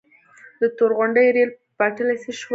د تورغونډۍ ریل پټلۍ څه شوه؟